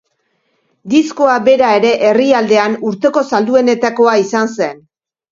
Diskoa bera ere herrialdean urteko salduenetakoa izan zen.